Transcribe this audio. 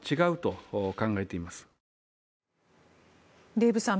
デーブさん